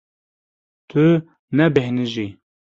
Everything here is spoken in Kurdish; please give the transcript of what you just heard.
Tu nebêhnijî.